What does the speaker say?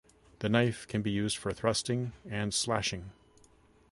The knife can be used for thrusting and slashing.